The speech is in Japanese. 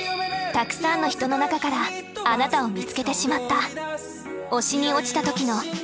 たくさんの人の中からあなたを見つけてしまった。